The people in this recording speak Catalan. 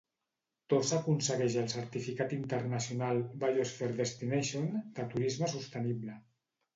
Tossa aconsegueix el certificat internacional 'Biosphere Destination'de turisme sostenible.